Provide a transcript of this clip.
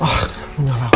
baterainya mau habis lagi